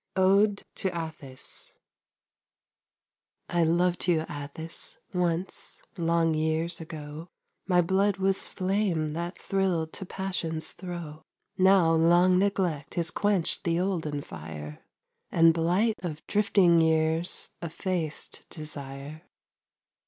ODE TO ATTHIS I loved you, Atthis, once, long years ago! My blood was flame that thrilled to passion's throe; Now long neglect has quenched the olden fire, And blight of drifting years effaced desire.